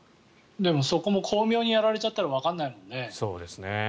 でもそこも巧妙にやられちゃったらわからないもんね。